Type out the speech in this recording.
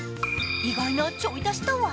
意外なちょい足しとは？